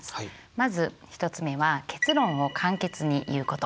まず１つ目は結論を簡潔に言うこと。